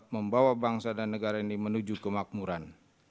membawa bangsa dan negara ini menuju kemakmuran